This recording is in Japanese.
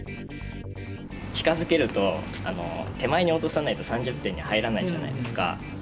手前に落とさないと３０点に入らないじゃないですか。